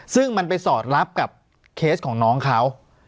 ซึ่งมันไปสอดรับกับเคสของน้องเขา